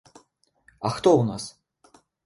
А хто ў нас?